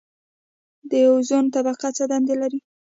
د اوزون طبقه څه دنده لري؟